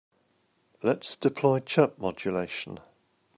Let's deploy chirp modulation.